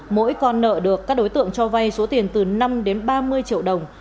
mỗi con nợ được các đối tượng cho vay số tiền từ năm đến ba mươi triệu đồng